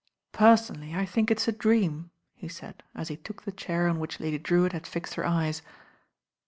"Personally I think it*s a dream," he said as he took the chair on which Lady Drewitt had fixed her eyes.